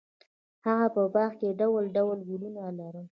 هغه په باغ کې ډول ډول ګلونه لرل.